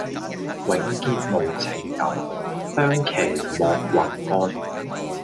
永結無情遊，相期邈雲漢